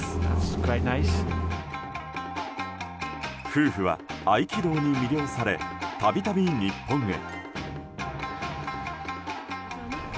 夫婦は、合気道に魅了され度々、日本へ。